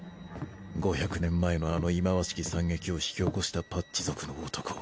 ５００年前のあの忌まわしき惨劇を引き起こしたパッチ族の男